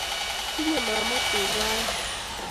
Tinyei mama tuga aeng